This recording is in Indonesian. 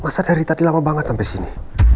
masa dari tadi lama banget sampai sini